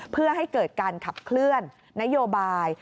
เพื่อให้เกิดการขับเคลื่อนนโยบาย